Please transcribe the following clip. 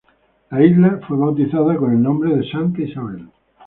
La isla fue bautizada con el nombre de Santa Isabel.